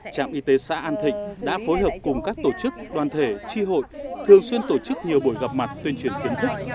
trạm y tế xã an thịnh đã phối hợp cùng các tổ chức đoàn thể tri hội thường xuyên tổ chức nhiều buổi gặp mặt tuyên truyền kiến thức